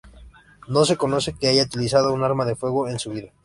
No se conoce que haya utilizado un arma de fuego en su vida.